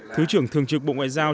thứ trưởng thường trực bộ ngoại giao